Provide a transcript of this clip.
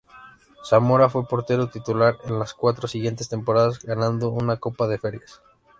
Zamora fue portero titular en las cuatro siguientes temporadas, ganando una copa de Ferias.